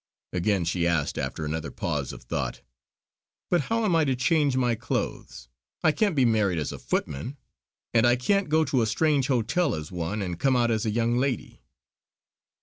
Again she asked after another pause of thought: "But how am I to change my clothes? I can't be married as a footman; and I can't go to a strange hotel as one, and come out as a young lady."